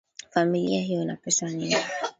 Familia hiyo ina pesa nyingi